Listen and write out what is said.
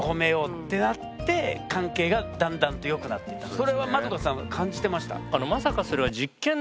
それは円さん感じてました？